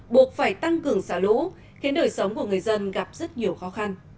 buộc phải tăng cường xả lũ khiến đời sống của người dân gặp rất nhiều khó khăn